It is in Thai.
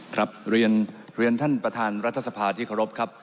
ครับเรียนเรียนท่านประธานรัฐสภาที่ขอรบครับ